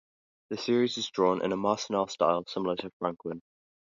The series is drawn in a Marcinelle style similar to Franquin.